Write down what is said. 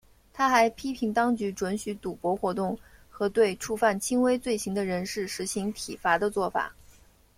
他还批评当局准许赌博活动和对触犯轻微罪行的人士施行体罚的作法。